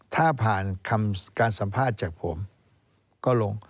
ถ้าผ่านคำการสัมภาษณ์จากผมก็ลง